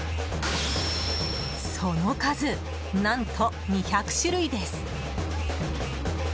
その数、何と２００種類です。